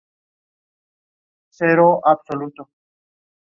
It within the suburb of Hope Island.